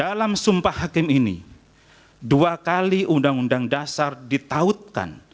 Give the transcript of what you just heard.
dalam sumpah hakim ini dua kali undang undang dasar ditautkan